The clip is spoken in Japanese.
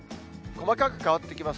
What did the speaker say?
細かく変わってきます。